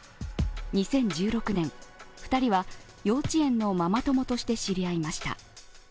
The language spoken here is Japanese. ２０１６年、２人は幼稚園のママ友として知り合いました。